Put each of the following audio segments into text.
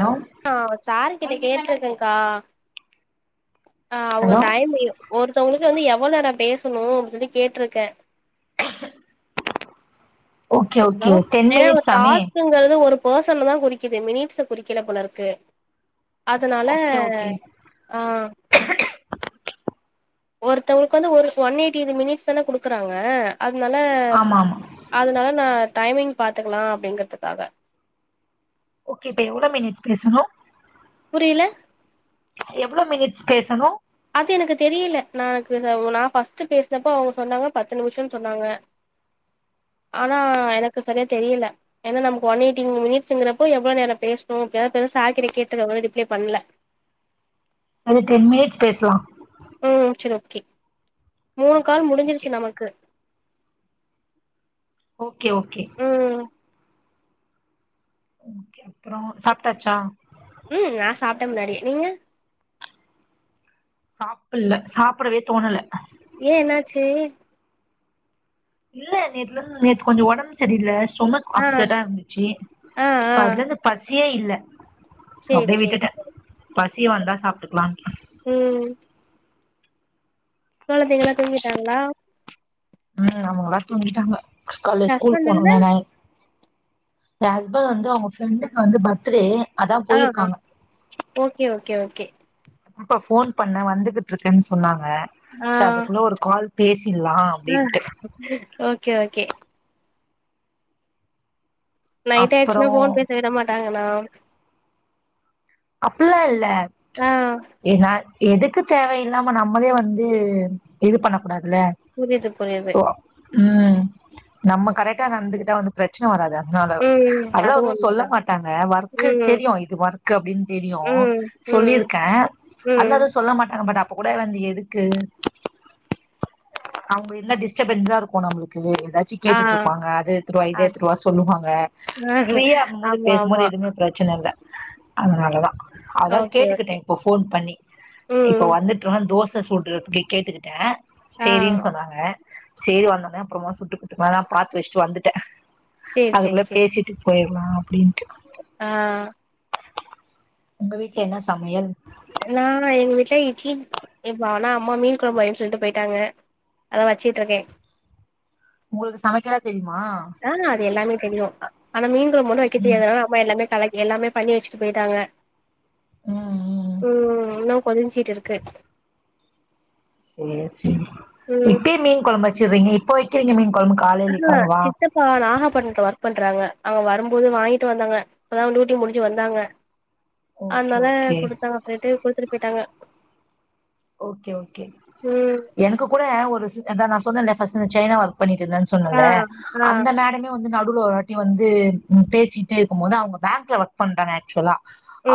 Hello ஆஹ் சார்க்கு இன்க் கேக்குதுங்கா ஆஹ் அவுங்க ஹலோ டைம் ஒருத்தவங்களுக்கு ல வந்து எவ்வளோ நா பேசணு அப்டின்னு சொல்லி கேட்டிருக்கேன் ஓகே ஹலோ ஓகே டென் ஏங்க மினிட்ஸ் ஆமே டாஸ்க்குங்கறது ஒரு பர்சன் தா குறிக்குது மினிட்ஸ குறிக்கல போல இருக்கு அதனால ஓகே ஓகே ஆஹ் ஒருத்தவங்களுக்கு வந்து ஒரு ஒன் எயிட்டி மினிட்ஸ் தானே குடுக்குறாங்க அதனால ஆமா ஆமா அதனால நா டைமிங் பாத்துக்கலா அப்டிங்கறதுக்காக ஓகே இப்ப எவ்ளோ மினிட்ஸ் பேசணு புரியல எவ்வளோ மினிட்ஸ் பேசணு அது எனக்கு தெரியில நாக்கு அவுக்க நா ஃபர்ஸ்ட் பேசினப்போ அவுங்க சொன்னாங்க பத்து நிமிஷம்னு சொன்னாங்க ஆனா எனக்கு சரியா தெரியல ஏன்னா நமக்கு ஒன் எயிட்டி மினிட்ஸ்ங்கறப்போ எவ்வளோ நேரோ பேசணு [unintelligible] ரிப்லே பண்ணல சேரி டென் மினிட்ஸ் பேசுலா ம் சரி ஓகே மூணு ஓகே கால் முடிஞ்சிருச்சு ஓகே நமக்கு ஓ ஓகே ஓகே ம் ஓகே அப்புறம் சாப்பிட்டாச்சா சாப்பிட்ட முன்னாடி நீங்க சாப்பில்ல சாப்பிடவே தோணல ஏ என்னாச்சு இல்ல நேத்துலந்து நேத்து கொஞ்சம் உடம்பு சரியில்ல சும்மா ஆ அப்செட்டா இருந்துச்சு ஆ சோ ஆ அதுலருந்து பசி பசியே இல்ல சேரி அப்டியே சேரி விட்டுட்டேன் பசி வந்தா சாப்பிட்டுக்கலாம் ம் கொழந்தைங்கல்லா தூங்கிட்டாங்களா உம் அவங்களா தூங்கிட்டாங்க காலைலே ஸ்கூல் ஹஸ்பண்ட் இல்ல [unintelligible] என் ஹஸ்பண்ட் வந்து அவங்க ஃப்ரெண்டுக்கு வந்து பர்த்டே அதா ஆஹ் போயிருக்காங்க ஓகே ஓகே ஓகே இப்ப போன் பண்ண வந்துகிட்டு இருக்கேன்னு சொன்னாங்க ஆ சரி அதுக்குள்ள ஒரு கால் பேசிடலாம் ஆ அப்படின்ட்டு ஓகே ஓகே நைட்டு அப்புறோ ஆயிடுச்சுன்னா போன் பேசவிட மாட்டாங்களோ இல்லேயில்ல ஆ ஏ நான் எதுக்கு தேவையில்லாம நம்மளே வந்து இது பண்ண கூடாது புரிது புரிது ம் நம்ம கரெக்டா நடந்துகிட்டா வந்து பிரச்சன வராதா னால ம் அதெல்லா அது எதுவு சொல்ல உண்மதா மாட்டாங்க ஒர்க்கு ம் தெரியு இது ஒர்க் அப்டின்னு தெரியு ம் ம் சொல்லிருக்க ம் அதுலா எதுவு சொல்ல மாட்டாங்க பட் அப்ப கூட வந்து எதுக்கு அவங்க இருந்த டிஸ்ட்டபன்ஸா இருக்கு நம்ளுக்கு ஏதாச்சி ஆ கேட்டுட்டு இருப்பாங்க அத எடுத்துட்டு வா இத அது எடுத்துட்டு வா சொல்லுவாங்க ஃப்ரீயா இருக்கும் போது ஆமா பேசும்போது ஆமா எதுமே பிரச்சன இல்ல அதனால ட்லதா அதா ஓகே கேட்டுக்கிட்ட ஓகே இப்போ ஃபோன் பண்ணி இப்போ ம் வந்துட்றோ தோச ச சுட்றதுக்கு கேட்டுக்கிட்ட ஆ செரினு சொன்னாங்க செரி வந்தோனே அப்புறமா சுட்டு புட்டு பதா தா பாத்து வச்சுட்டு வந்துட் ட்டா சேரி அதுகுள்ள பேசிட்டு போயி ல்லா அப்டின்ட்டு ஆஹ் உங்க வீட்டுல என்ன சமையல் நானா எங்க வீட்டுல இட்லி இப்ப ஆனா அம்மா மீன் கொழம்பு வைனு சொல்லிட்டு போயிட்டாங்க அதா வச்சுட்டு இருக்கே உங்களுக்கு சமைக்கல்ல தெரியு மா ஆஹ் அது எல்லாமே தெரியு ஆனா மீன் கொழம்பு மட்டு வெக்க ம் தெரியதுனால அம்ம எல்லாமே கலக்கி எல்லாமே பண்ணி வெச்சுட்டு போயிட்டாங்க ம் ம் உம் இன்னு கொதிச்சிட்டு இருக்கு சேரி சேரி ம் இப்யே மீன் குழம்பு வச்சறீங்க போயிக்கிறீங்க [unintelligible] ஆஹ் சித்தப்பா நாகாபட்ணத்ல ஒர்க் பண்றாங்க அவங்க வரும்போது வாங்கிட்டு வந்தாங்க இப்பதா டூட்டி முடிஞ்சு வந்தாங்க ஓகே அதனால ஓகே கொடுத்தாங்க அப்டின்ட்டு குடுத்துட்டு போயிட்டாங்க ஓகே ஓகே. ம் எனக்கு கூட ஒரு ஸ் அதா நா சொ சொன்ன இல்ல ஃப்ரஸ்ட் இந்த சைனா வா இருக் பண்ணிட்டு இருந்தே ஆ சொன்னல ஆ அந்த மேடமே வந்து நா டுல ஒருட்டி வந்து பேசிட்டே இருக்கு போது அவங்க பேங்க்ல ஒர்க் பண்றாங்க. ஆக்சுவலா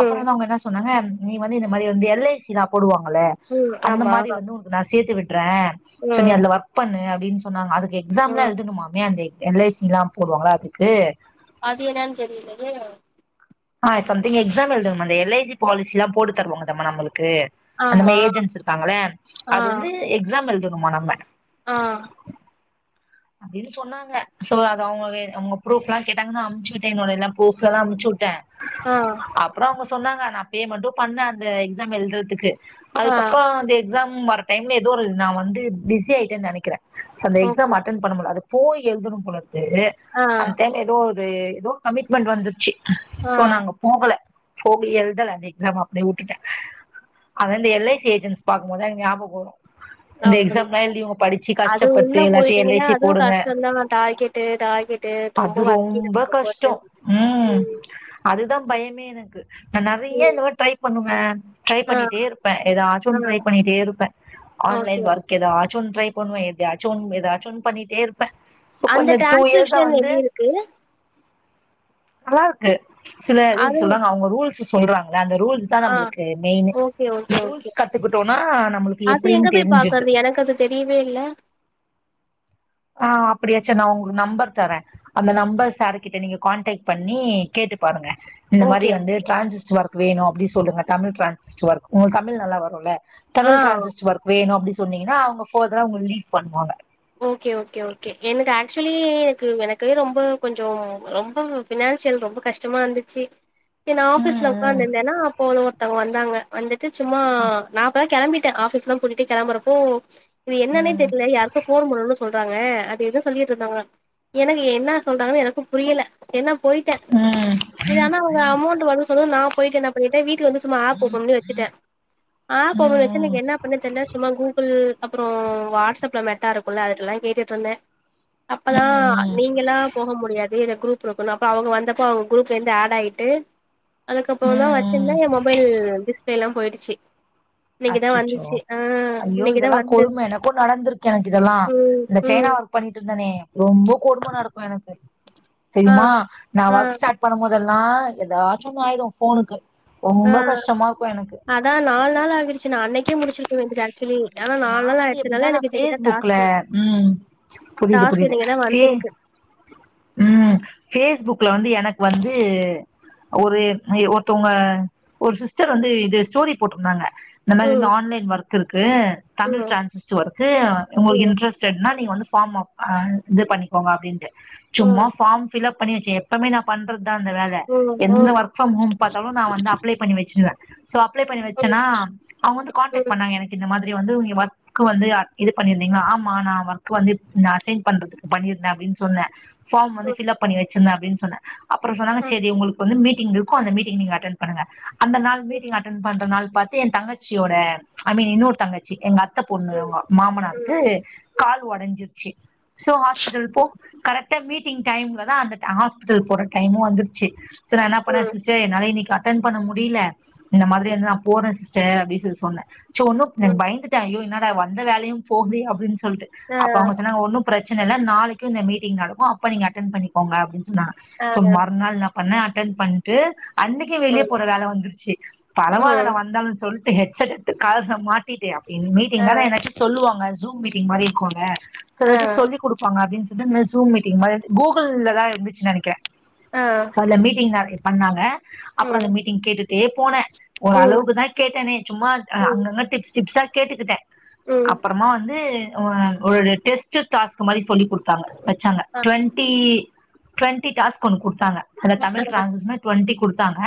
அப்புற வந்துன் அவங்க என்ன சொன்னாங்க நீ வந்து இந்த மாரி வந்து எல் ஐ சி லா போடுவாங்களல்ல ம் அந்த ஆமா மாரி வந்து உனக்கு நா சேத்து விட் ரன் சோ நீ ம் அதுல ஒர்க் பண்ணு அப்டின்னு சொன்னாங்க அதுக் எக்ஸாமெல்ல ம் எழுதுனுமமே அந்த எக் எல் ஐ சி எல்லா போடுவாங்களா அதுக்கு அது என்னன்னு தெரியலயே. ஆஹ சம்தி்ங் எக்ஸாம் எழுதணு எல் ஐ சி பாலிஸி எல்லா போட்டு தருவங்க தம் நம்மளுக்கு க்கு அந்த ஆமா மாதிரி ஏஜென்ஸ் இருக்காங்கள அது வந்து எக்ஸாம் எழு ங்குமா நம ஆஹ் அப்டின்னு சொன்னாங்க. சோ அத அவங்க அவங்க ப்ரூஃப் எல்லா கேட்டாங்கன்னு நா அமுச்சு விட்டே என்னோட எல்லாம் ப்ரூஃப்வெல்லா அமுச்சு விட்டே. ஆ அப்பறோ அவுங்க சொன்னாங்க நா பேமெண்ட்டும் பண்ணே அந்த எக்ஸாம் எழுதுறதுக்கு ஆ அதுக்கப்றோ அந்த எக்ஸாம் வரற டைம்ல எதுவு ஒரு நா வந்து பிஸி ஆயிட்டேனு நெனக்கிறே சோ அந்த ஓகே எக்ஸாம் அட் அட்டன் பண்ண முடில அது போய் எழுதணும் போல இருக் ஆ [unintelligible] அந்த டைம் எதோ ஒரு ஒரு ஏதோ கமிட்மெண்ட் வந்துருச்சு ஆ சோ நாங்க போகல போகி எழுதல அந்த எக்ஸாம் அப்டியே விட்டுட்டே. அதா இந்த எல் ஐ சி ஏஜென்ஸ் பாக்கும் போதுதாங்க ஞாபகோ வரும். இந்த அப்படி எக்ஸாம் எல்லா எழுதி இவுங்க படிச்சு கஷ்டப்பட்டு எல்லா நீங்கன்னா அதுவும் கஷ்டோந்தா தாய்கெட்டு தாய்கெட்டு ரொம்ப அது வதக்கிட்டு வாங்க போறது. கஷ்டம் ம் உம் அதுதா பயமே எனக்கு நா நெறையா இந்த மாரி ட்ரை பண்ணுவே. ட்ரை ஆ பண்ணிட்டே இருப்பே ஏதா ஆ ஆச்சுஒன்னு ட்ரை பண்ணிட்டே இருப்பே ஆன்லைன் ஓகே ஒர்க் ஏதா ஆச் ச்சும் ஒன் ட்ரை பண்ணுவே எதையாச்சு ஒன் எதாச் ச்சு ஒன் பண்ணிட்டே இருப் அந்த டிரான்ஸ்கிரிப்ஷன் எப்டி இருக்கு நல்லாருக்கு சில அது ரூல்ஸ்லா அவுங்க ரூல்ஸ் சொல்றாங் ன்ன அந்த ரூல்ஸ்தா ஆ நம்மளுக்கு main okay okay okay rules கத்துக்கிட்டோன்னா நம்மளுக்கு அது எங்க எப்டின்னு போய் தெரிஞ்சுருது பாக்குறது எனக்கு அது தெரியவே இல்ல ஆ அப்படியாச்சு நா உங்களுக்கு நம்பர் தரே அந்த நம்பர் சார் கிட்ட நீங்க கான்டக்ட் பண்ணி கேட்டு பாருங்க இந்த மாரி ஓகே வந்து டிரான்சிஸ்ட்டு வரும் வேணும் அப்டி சொல்லுங்க தமிழ் டிரான்சிஸ்ட் ஒர்க் உங்களுக்கு தமிழ் நல்லா வருல்ல தமிழ் ஆ டிரான்சிஸ்ட் ஒர்க் வேணு அப்டி சொல் சொன்னீங்கன்னா அவுங்க ஃபோர்தரா அவுங்க லீட் பண்ணுவாங்க ஓக்கே ஓக்கே ஓக்கே எனக்கு அக்ச்சுலி எனக்கு எனக்கு ரொம்ப கொஞ்சோ ரொம்ப ஃபினான்சியல் ரொம்ப கஷ்டமா இருந்துச்சு நா ஆஃபீஸ்ல ம் உக்காந்து இருந்தேனா அப்போனு ஒருத்தங்க வந் நாங்க வந்துட் ச்சும்மா நா அப்பதா கெளம்பி ஆபிஸ் எல்லா பூட்டிட்டு கெளம்பறப்போ இது என்னன்னே ம் தெர்ல யாருக் சொல்ல சொல்றாங்க அது எதோ சொல்லிட்டு இருந்தாங்க எனக்கு என்ன சொல்றாங்கன்னு எனக்கும் புரியல என்ன போயிட்டே ம் செரி ஆனா அவங்க அமௌண்ட் வருனு சொன்னதும் நா போய்ட்டு என்ன பண்ணிட்டே வீட்ல வந்து சும்மா ஃஆப் ஓப்பன் பண்ணி வச்சுட்டே ஃஆப் ஓப்பன் பண்ணி வச்சு ம் எனக்கு என்ன பண்ண தெர்ல சும்மா கூகுள் அப்றோ வாட்ஸ்அப்ல மெ ட்டா இருக்கும்ல்ல அதுட்டெல்லாம் கேட்டுட்டு இருந்தே ம் அப்பதான் ம் நீங்கல்லா போக முடியாது இத க்ரூப் குடுக்கணு அப்ப அவங்க வந்தப்போ அவங்க குரூப்ல இருந்து ஆட் ஆயிட்டு அதுக்கப்பறம் தான் ம் வச்சிருந்தே என் மொபைல் டிஸ்பிளே லாம் போயிடுச்சு [unintelligible] இன்னைக்குதா அச்சச்சோ வந்துச்சு ஆ ஐயோ இன்னைக்குதா இதெல்லா வந்தது கொடும எனக்கும் நடந்துருக் எனக்கு இதெல்லாம் ம் இந்த ம் சைனா ஒர்க் பண்ணிட்டு இருந்தனே ரொம்ப கொடும நடக்கும் எனக்கூ ஆ தெரியுமா நான் ஆ ஒர்க் ஸ்டாட் பண்ணும் போது அதெல்லாம் ஏதாச்சும் ஆயிரும் ஃபோனுக்கு ரொம்ப அஹ் கஷ்டமா இருக்கு எனக்கு அதான் நாலு நாள் [unintelligible] நா அன்னைக்கே முடிச்சிருக்க வேண்டியது ஆக்ச்வலி ஆனா நா நால் நாள் வந்து ஆயிட்சதுனால எப்டின்னா நா எனக்கு இன்னைக்குதான் ஃபேஸ்புக்ல டாஸ்க் வந் ம் புரியுது டாஸ்க் புரியுது இன்னைக்குதான் ஃபே வந்துருக்கு புக்ல வந்து எனக்கு ஒரு ஒருத்தவ்ங்க ஒரு சிஸ்டர் வந்து இது ஸ்டோரி போட்டுருந்தாங்க இந்த மாரி ம் வந்து ஆன்லைன் ஒர்க் கு தமிழ் ம் டிரான்சிட் ஒர்க்கு உங்களுக்கு ம் இன்ட்ரெஸ்டட்னா நீங்க வந்து ஃபாம்மா இது பண்ணிக்கோங்க அப்டின்ட்டு ம் சும்மா ஃபாம் பில்அப் பண்ணிச்சு எப்பமே நா பண்றது அந்த வேல ம் ம் எந்த ம் வொர்க் ஃப்ரம் ஹோம் பார்த்தாலு நா வந்து அப்ளை பண்ணி வச்சுருவே சோ அப்லே பண்ணி ம் வச்சேன்னா அவங்க வந்து ம் கான்டக்ட் ம் பண்ணங்க எனக்கு இந்த மாதிரி வந்து நீ ஒர்க் வந்து இது பண்ணிருந்தீங்களா ஆமா நான் ஒர்க் வந்து அசைன் பண்றது பண்ணிருந்தே அப்டின்னு சொன்னே ஃப்ரம் வந்து ஃபில்அப் பண்ணி வை சந்த அப்டின்னு சொன்னே அப்பறோ சொன்னாங்க ம் சேரி உங்களுக்கு வந்து மீட் மீட்டிங் இருக்கூ அந்த மீட்டிங் நீங்க அட்டென்ட் பண்ணுங்க அந்த நாள் மீட்டிங் அட்டென்ட் பண்ற நாள் பாத்து என் தங்கச்சி தங்கச்சியோட ஐ மீன் இன்னொரு தங்கச்சி எங்கத் பொண்ணு அவங்க ம் ம் மாமனாருக்கு கால் உடைஞ்சு சு சோ ஹாஸ்பிட்டல் போ கரெக்ட் கரெக்ட்டா மீட்டிங் டைம்ல தான் அந்த ஹாஸ்பிட்டல் போற டைமும் வந்துருச்சு சோ நான் என்ன பண்ணே ம் சிஸ்டர் என்னால நீ க அட்டண் பண்ண முடியில இந்த மாதிரி வந்து நா போறே சிஸ்டர் அப்டி சொல்லி சொன்னே சோ ஒன்னுப் நா ம் பயந்துட்டே ஐயோ என்ன நா வந்த வேலையு போகுதே அப்டின் ச் சொல்ட்டு ஆ அப்ப அவங்க சொன்னாங்க ஒன்னு பிர இல்லன்னா நாளைக்கு இந்த மீட்டிங் நடக்கு அப்ப நீங்க அட்டென் பண்ணிக்கோங்க அப்டின் நா ஆ சோ மறுநாள் என்ன பண்ணே அட்டென் பண்ட்டு அன்னைக்கு வெளியே ம் போற வேல வந்துருச்சு பரவாயில்ல டா ம் வந்தாலு சொல் டு ஹெட் செட் கால்ஸ்ஸ மாட்டிட்டு அப்டின்னு மீட்டிங் ஆ தானே எதாச்சு சொல்லுவாங்க ச் ஜூம் மீட்டிங் மாரி இருக்குல ஆ சிலது சொல்லி கொடுப்பாங்க அப்டின்னு என்னங்க ஜூம் மீட்டிங் மாரி கூகுள்லதா இருந்துச்சு நெனைக்கிறே ஆ சொ அதுல மீட்டிங் தானே பண்ணாங்க அப்புறோ ம் அந்த மீட்டிங் கேட்டுட் டே போனே ஒரு ம் அளவுக்கு தா கேட் டேனே சும்மா ஆ ம் அங்க அங்க டிப்ஸ் டிப்ஸ் ஆ கேட்டுக்கிட்டே ம் அப்புறமா வந்து ஆ ஒரு டெஸ்ட் டாஸ்க் மாரி சொல்லி கொடுத்தாங்க வச்சாங்க ஆ டுவண்டி டுவெண்டி டாஸ்க் ஒன்னு கொடுத்தாங்க அந்த தமிழ் டிரான்சஸ்மே டுவெண்டி கொடுத் கொடுத்தாங்க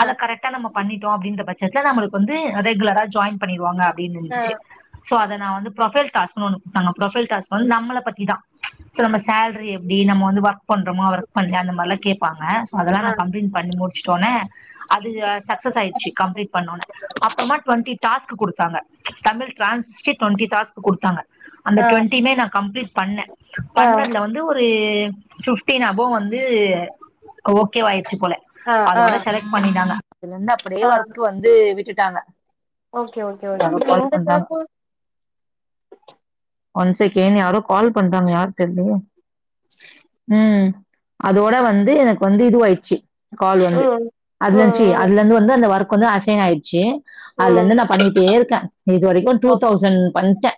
ஆ கரெக்டா நம்ம பண்ணிட்டோ அப்டின்ற பட் சத்துல நம்மளுக் கு வந்து அ ரெகுலரா ஜாயிண் பண்ணிடுவாங்க அப்டின்னு இருந்துச்சு ஆ சோ அத நா வந்து ப்ரோஃபைல் டாஸ்குனு ஒன்னு கொடுத்தாங்க ப்ரோஃபைல் டாஸ்கு வந்து நம்மள பத்தி தா ச நம்மஸ் சேல்ரி எப்டி நம்ம வந்து ஒர்க் பண்றோமோ ஒர்க் பண்ணலயா அந்த மாரிலா கேப்பாங்க ஸோ அதெல்லா நா கம்ப்ளீட் பண்ணி முடிச்ட்டோனே அது சக்சஸ் ஆயிடுச்சு கம்ப்ளீட் பண்ணோனே அப்புறமா டுவெண்டி டாஸ்க் கொடுத்தாங்க தமிழ் டிரான்சிஸ்கே டுவெண்டி டாஸ்க் கொடுத்தாங்க அந்த ஆ ஆ டுவண்டிமே நா கம்ப்ளீட் பண்ண பண்ணதுல வந்து ஒரு து ஃபிஃப்டின் அபோ வந் து ஓகேவாயிடுச்சு போல ஆ ஆ ஆ அதோட செலக்ட் பண்ணிட்டாங்க அதுல இருந்து அப்படியே ஆ ஒர்க் வந்து விட் விட்டுட்டாங்க ஓகே ஓகே ஓக் யாரோ இப்ப கால் இந்த பண்றாங்க டாஸ்க்கு ஒன் செகேன் யாரோ கால் பண்றாங்க யார் தெர்லயே உம் அதோட வந்து எனக்கு வந்து இதுவாயிடுச்சு கால் வந்து ம் அதுல ம் இருந்ச்சு ம் அதுல இருந்து வந்து அந்த வொர்க் கொஞ்சொ அசைன் ஆய்டு சு அதுல ம் இருந்து நா பண்ணிட்டே இருக்கே இது வரைக்கும் டூ ஓ தௌசண்ட் பண்ட்ட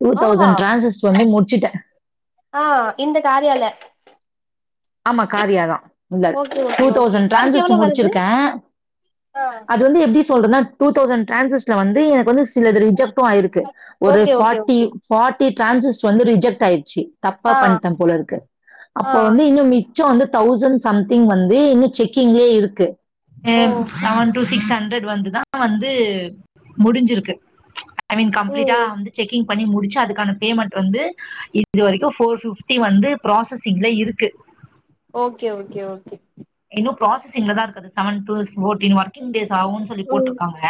டூ ஆ தௌசண்ட் டிரான்சஸ் வந்து முட் ச்சிட்ட ஆ இந்த காரியால ஆமா காரியாதா [unintelligible] okay two okay okay thousand அதுக்கு எவ்ளோ ட்ரான்ஸ்கிரிப்ஸன் வருது முடிச்சிருக்கே ஆ அது வந்து எப்டி சொல்றன்னா டூ தௌசண்ட் ட்ரான்ஸிஸ்ல வந்து எனக்கு வந்து சிலது ரிஜக்ட் டு ஆயிருக்கு ஒரு okay okay forty okay forty டிரான்சஸ் வந்து ரிஜக்க் ஆய்டுச்சு தப்பா ஆ பண்ட்ட போலருக்கு ஆ அப்போ வந்து இன் மிச்சொ வந்து தௌசண்ட் சம்திங் வந்து இன்னும் செக்கிங்லே இருக்கு எ ஓ செவன் டூ சிக்ஸ் ஹண்ட்ரட் குளு வந்துதா வந்து முடிஞ்சிருக்கு ஐ மீன் கம்ப்ளீட்டா ம் வந்து செக்கிங் பண்ணி முடிச்சு அதுக்கான பேமெண்ட் வந்து இது வரைக்கும் ஃபோர் ஃபிஃப்டி வந்து ப்ராசசிங்ல இருக்கு ஓகே ஓகே ஓகே ப்ப ப்ராசஸிங்லதா இருக்கது seven to forty working days ஆகுனு சொல்லி ம் போட்டிருக்காங்க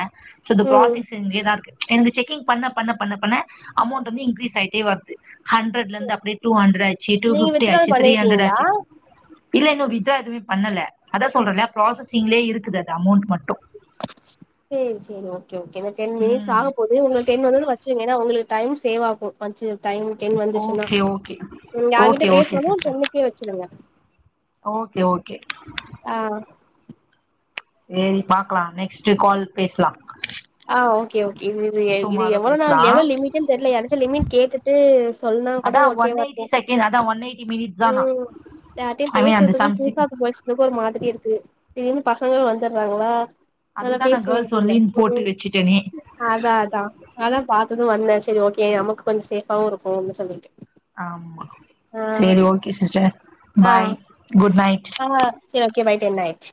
சோ இந்த ம் ப்ராசகஸ்ஸிங்லேதா இருக்கு எனக்கு செக்கிங் பண்ண பண்ண பண்ண பண்ண அமௌண்ட் வந்து இன்க்ரீஸ் ஆயிட் டி வர்து ஹண்ட்ரட்லந்து அப்டியே டூ ஹண்ட்ரட் ஆச்சு டூ நீங்க பீஃப்டி வித்ட்ரால் ஆச்சு திரி ஹண்ட்ரட் பண்ணிருக்கீங்களா ஆச்சு இல்ல இன்னு வீ த அது வித் பண்ணல அதா சொல்றனே ப்ராசஸ் ஸிங்ளே இருக்குது அது அமோண்ட் மட்டு சேரி சேரி ஓகே ஓகே இந்த டென் மினிட்ஸ் ம் ஆக போது உங்களுக் டென் வந்ததூ வச்சிருங்க ஏன்னா உங்களுக்கு டைம் சேவ் ஆகு கொஞ்ச டைம் டென் வந்துச்சுன்னா ஓகே ஓகே நீங்க ஓகே யார்கிட்டயும் ஓகே பேசணும் சிஸ்டர் டென்னுக்கே வச்சுடுங்க ஓகே ஓகே ஆ செரி பாக்கலாம் நெக்ஸ்ட் கால் பேசலாம் ஆ ஓகே ஓகே இது இது டுமாரோ எவ்வள பேசலா நான் எவளோ லிமிட் தெரியல யாச்சும் லி்மிட் கேட்டுட்டு சொன்னா கூட அதா ஒன் ஓகேவா எயிட்டி இருக்கும் செகண்ட் அதா ஒன் எயிட்டி மினிட்ஸ் தானா ம் யாரையும் ஐ மீன் அந்த பேசுறதுக்கும் சம்திங் புதுசா பேசறதுக்கும் ஒரு மாதிரி இருக்கு திடீர்னு பசங்களும் வந்துறாங்களா அதுக்குதான் நான கேள்ஸ் ஒன்லி போட்டு வச்சு அத அதா அத பாத்ததும் வந்தேன் சரி ஓகே நமக்கு கொஞ்ச சேஃபாவும் இருக்கும்அப்டீனு சொல்லிட்டு ஆம்மா ஆ செரி okay sister bye good night ஆஹ் சேரி ஓகே பை குட் நைட்